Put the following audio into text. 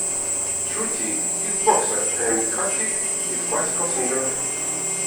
Shruti is boxer and Kartik is classical singer.